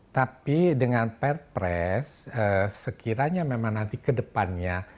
tapi dengan perpres sekiranya memang nanti kedepannya